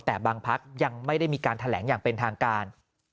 แต่บางพักยังไม่ได้มีการแถลงอย่างเป็นทางการ